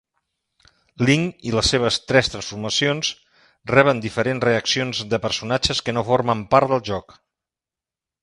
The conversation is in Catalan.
Link i les seves tres transformacions reben diferents reaccions de personatges que no formen part del joc.